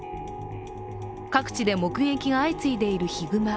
各地で目撃が相次いでいるヒグマ。